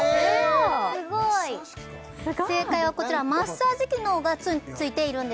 すごい正解はこちらマッサージ機能が付いているんです